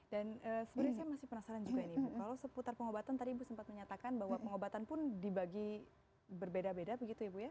dan sebenarnya saya masih penasaran juga ini ibu kalau seputar pengobatan tadi ibu sempat menyatakan bahwa pengobatan pun dibagi berbeda beda begitu ya ibu ya